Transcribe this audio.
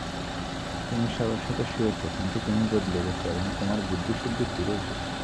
তুমি সবার সাথে শুয়েছ, কিন্তু তুমি বদলে গেছ এবং তোমার বুদ্ধিশুদ্ধি ফিরে এসেছে।